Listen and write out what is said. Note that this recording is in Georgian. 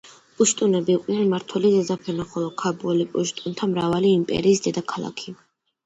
პუშტუნები იყვნენ მმართველი ზედაფენა, ხოლო ქაბული პუშტუნთა მრავალი იმპერიის დედაქალაქი.